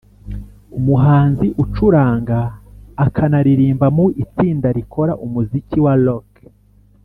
umuhanzi ucuranga akanaririmba mu itsinda rikora umuziki wa rock